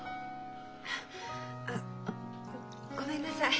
あっごめんなさい。